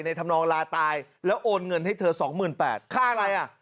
ทำนองลาตายแล้วโอนเงินให้เธอสองหมื่นแปดค่าอะไรอ่ะ